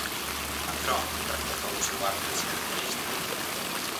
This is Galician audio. Macron reforzou o seu ar presidencialista.